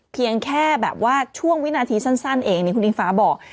เพียงแค่แบบว่าช่วงวินาทีสั้นเองนี่คุณอิงฟ้าบอก